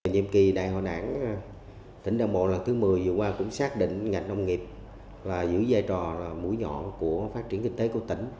nhiệm kỳ đại hội đảng tỉnh nam bộ lần thứ một mươi vừa qua cũng xác định ngành nông nghiệp là giữ giai trò là mũi nhọn của phát triển kinh tế của tỉnh